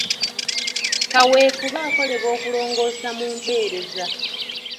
Kaweefube akolebwa okulongoosa mu mpereza.